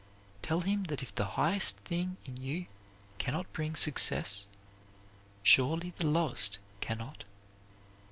Tell him that if the highest thing in you can not bring success, surely the lowest can not.